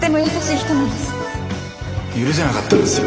許せなかったんですよ。